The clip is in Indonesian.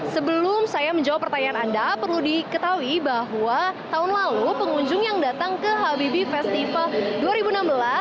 sebelum saya menjawab pertanyaan anda perlu diketahui bahwa tahun lalu pengunjung yang datang ke habibi festival dua ribu enam belas